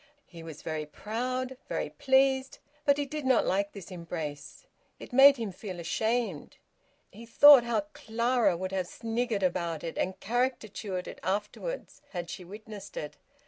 He was very proud, very pleased, but he did not like this embrace; it made him feel ashamed. He thought how Clara would have sniggered about it and caricatured it afterwards, had she witnessed it.